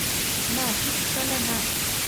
نه! هیڅکله نه